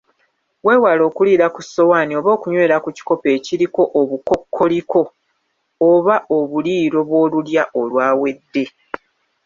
Weewale okuliira ku ssowaani oba okunywera ku kikopo ekiriko obukokkoliko, oba obuliiro bw‘olulya olwawedde.